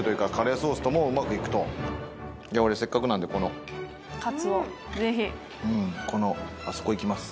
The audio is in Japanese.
俺せっかくなんでこのカツをぜひあそこいきます